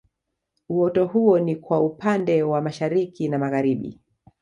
Uoto huo ni kwa upande wa Mashariki na Magharibi